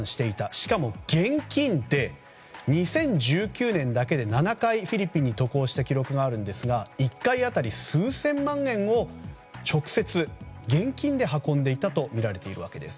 しかも、現金で２０１９年だけで７回、フィリピンに渡航した記録があるんですが１回当たり数千万円を直接、現金で運んでいたとみられているわけです。